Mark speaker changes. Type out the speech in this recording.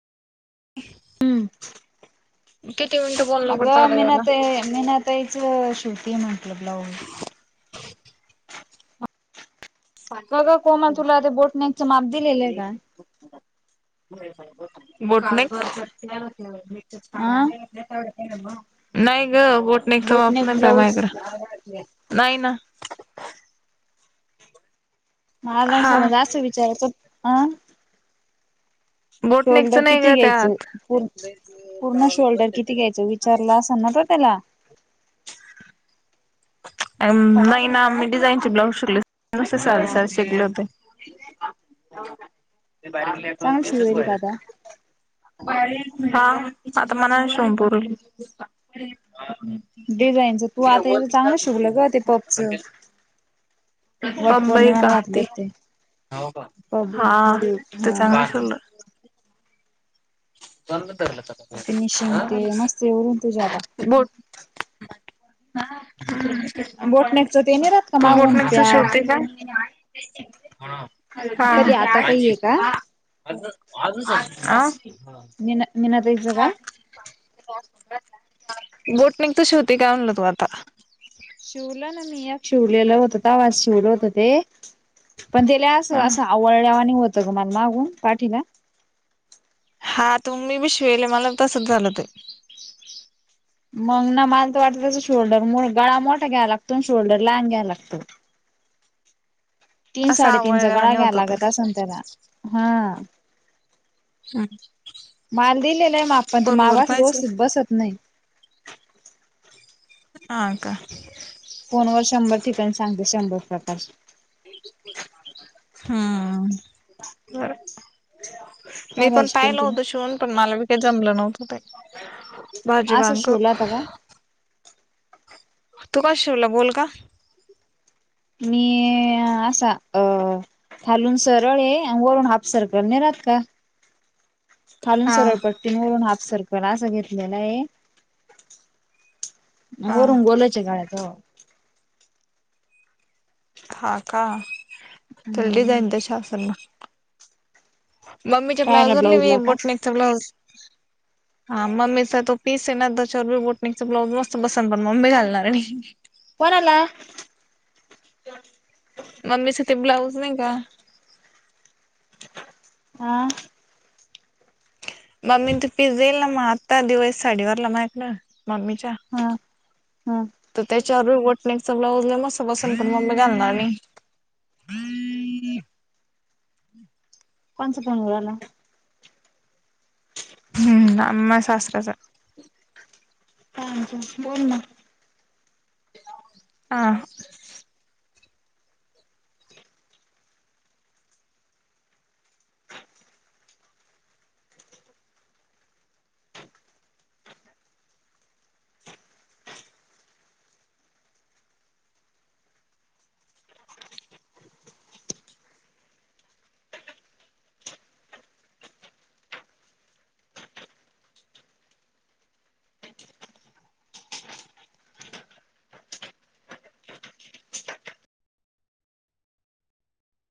Speaker 1: [unintelligible]
Speaker 2: हम्म.
Speaker 1: किती मिनटं बो
Speaker 2: अगं मीना ता मीना ताईचा शिवतीय म्हंटलं ब्लाऊज. का गं कोमल तुला ते बोट नेकच्या माप दिलेलं आहे का?
Speaker 1: बोटनेक
Speaker 2: अं
Speaker 1: नाही गं बोटनेकच्या माप
Speaker 2: बोटनेक
Speaker 1: नानता
Speaker 2: ब्लाऊज
Speaker 1: माझ्याकडं. नाही ना.
Speaker 2: मला
Speaker 1: हा
Speaker 2: समज असं विचारायचं अं
Speaker 1: बोटनेकच
Speaker 2: शोल्डर
Speaker 1: नाही
Speaker 2: किती
Speaker 1: ग
Speaker 2: घ्यायचं
Speaker 1: त्यात
Speaker 2: पूर पूर्ण शोल्डर किती घ्यायचं विचारलं असेल ना तर त्याला.
Speaker 1: आम् नाही ना आम्ही डिझाईन चे ब्लाउज शिकले सादे साडे शिकले होते. ते बारीक पेट्रोल
Speaker 2: चांगलं
Speaker 1: तिचच
Speaker 2: शिवलेली
Speaker 1: बाहेर
Speaker 2: का आता?
Speaker 1: आहे. हा आता म्हणाने शोमपूर.
Speaker 2: डिझाईनचा तू आता याचा चांगलं शिवलं गं ते पपचं. वट
Speaker 1: बंबई
Speaker 2: पौर्णिमाला
Speaker 1: काह ते
Speaker 2: घातलं पप
Speaker 1: हा
Speaker 2: स्लीव
Speaker 1: ते
Speaker 2: हा
Speaker 1: चांग थुल्लं बंद तरलंता. [unintelligible]
Speaker 2: फिनिशिंग ते मस्त उयरून तू जादा.
Speaker 1: बोट
Speaker 2: बोटनेकच ते नाही राहत का
Speaker 1: तू
Speaker 2: मागून
Speaker 1: बोटनेकचा
Speaker 2: पॅक
Speaker 1: शिवते का? हा
Speaker 2: कधी आता काही आहे का
Speaker 1: आं.
Speaker 2: नीना निनाताईच्या का?
Speaker 1: बोटनेकच्या शिवते का म्हणलं तू आता?
Speaker 2: शिवलं ना मी या शिवलेला होतं तव्हा शिवलं होतं ते. पण त्याला असं
Speaker 1: ह
Speaker 2: असं आवळल्या नी होतं गं मग मागून पाठीला.
Speaker 1: हा तु मी बी शिवेले मला तसंच झालं ते.
Speaker 2: मग ना माल तर वाटतं त्या शोल्डर गळा मोठा घ्यावा लागतो आणि शोल्डर लहान घ्यायवा लागतो. तीन
Speaker 1: असं
Speaker 2: साडेतीनचा गळा
Speaker 1: आवळल्यावानी
Speaker 2: घ्या
Speaker 1: होत ते
Speaker 2: लागत असून त्याला हा. माल दिलेला आहे मापा ते
Speaker 1: फोन वर
Speaker 2: मावास
Speaker 1: पाहायचं
Speaker 2: व्यवस्थित बसत नाही.
Speaker 1: आं का?
Speaker 2: फोन वर शंभर ठिकाणी सांगते शंभर प्रकाश.
Speaker 1: हम्म बरं.
Speaker 2: काय
Speaker 1: मी पण
Speaker 2: भाजी
Speaker 1: पाहिलं
Speaker 2: केलती?
Speaker 1: होत शिवून पण मला बी काही जमलं नव्हत ते. भाजी
Speaker 2: असच
Speaker 1: वांग
Speaker 2: शिवला होत का?
Speaker 1: तू कश शिवल गोल का?
Speaker 2: मी [unintelligible] अ असा अ खालून सरळ आहे वरून हाफ सर्कलने राहात का [inaudible] खालून
Speaker 1: हा
Speaker 2: सरळ पट्टी वरून हाफ सर्कल असं घेतलेला आहे.
Speaker 1: हा
Speaker 2: वरून गोलच [unintelligible] गाळ्याच.
Speaker 1: हा का त्याल
Speaker 2: हम्म
Speaker 1: डिझाईन तशी असल मग ममीच्या
Speaker 2: कायला
Speaker 1: ब्लाऊजवर
Speaker 2: ब्लाऊजला का
Speaker 1: बटनेकच ब्लाऊज हा मम्मीचा तो पीस आहे ना त्याच्यावर बी बोटीगच ब्लाउज मस्त बसन पण मम्मी घालणार नाही.
Speaker 2: कोणाला?
Speaker 1: मम्मीसाठी ब्लाऊज नाही का?
Speaker 2: हा..
Speaker 1: मग मी तू पिस येईल ना मग आत्ता दिवाळी वरल साडी वारला मायकलं मम्मीच्या
Speaker 2: हा हा
Speaker 1: तर त्या चारूल बटनेच ब्लाउज मस्त बसल पण मग मम्मी घालणार नाही.
Speaker 2: कोणचा फोन येऊन राहिला?
Speaker 1: हम्म आ मा सासऱ्याचा.
Speaker 2: काय म्हणते बोलना.
Speaker 1: हा..